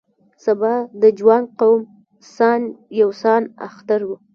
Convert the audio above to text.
سبا د جوانګ قوم سان یو سان اختر و.